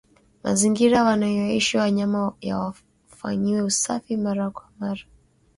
Mazingira wanayoishi wanyama yafanyiwe usafi mara kwa mara